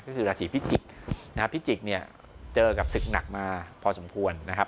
ก็คือราศีพิจิกษ์นะครับพิจิกเนี่ยเจอกับศึกหนักมาพอสมควรนะครับ